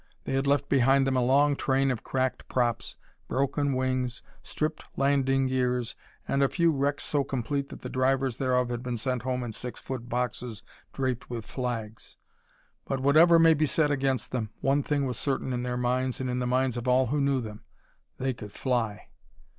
They had left behind them a long train of cracked props, broken wings, stripped landing gears and a few wrecks so complete that the drivers thereof had been sent home in six foot boxes draped with flags. But whatever may be said against them, one thing was certain in their minds and in the minds of all who knew them: They could fly!